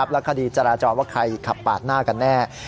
และคดีจราจรว่าใครขับปาดหน้ากันแน่